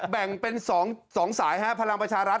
แบ่งเป็นสองสายภาระประชารัฐ